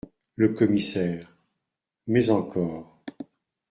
Le Commissaire Mais encore ?…